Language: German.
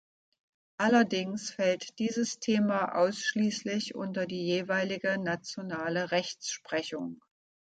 Allerdings fällt dieses Thema ausschließlich unter die jeweilige nationale Rechtsprechung.